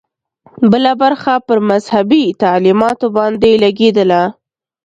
بله برخه پر مذهبي تعلیماتو باندې لګېدله.